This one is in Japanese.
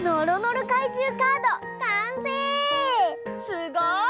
すごい！